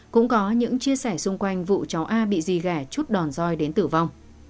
cũng có những chia sẻ xung quanh vụ cháu a bị dì gà chút đòn roi đến tử vong